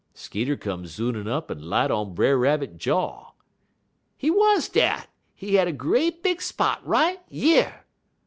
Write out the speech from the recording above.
(Skeeter come zoonin' up en light on Brer Rabbit jaw.) He wuz dat. He had er great big spot right yer!'"